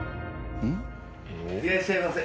いらっしゃいませ。